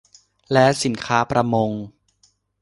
และสินค้าประมง